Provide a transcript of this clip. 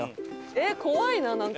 えっ怖いななんか。